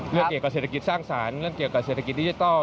เรื่องเกี่ยวกับเศรษฐกิจสร้างสรรค์เรื่องเกี่ยวกับเศรษฐกิจดิจิทัล